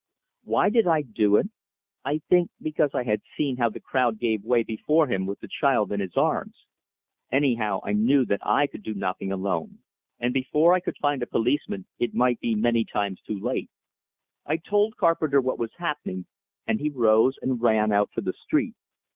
Why did I do it? I think because I had seen how the crowd gave way before him with the child in his arms. Anyhow, I knew that I could do nothing alone, and before I could find a policeman it might be many times too late. I told Carpenter what was happening, and he rose, and ran out to the street.